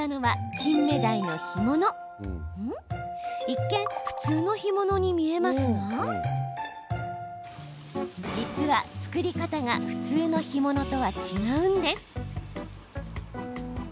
一見、普通の干物に見えますが実は、作り方が普通の干物とは違うんです。